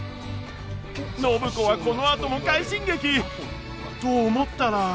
暢子はこのあとも快進撃！と思ったら。